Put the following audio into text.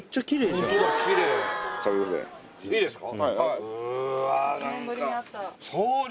いいですか？